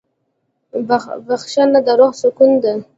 بښنه د روح سکون ده.